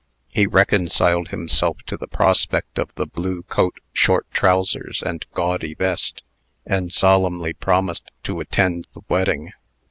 He reconciled himself to the prospect of the blue coat, short trousers, and gaudy vest, and solemnly promised to attend the wedding.